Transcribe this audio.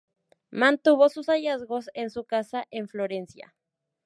Mantuvo sus hallazgos en su casa en Florencia.